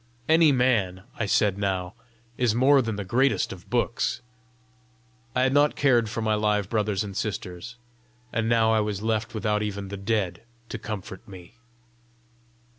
"Any man," I said now, "is more than the greatest of books!" I had not cared for my live brothers and sisters, and now I was left without even the dead to comfort me!